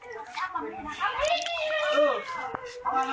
บอกวะไปเผี้ยพร้อมเลย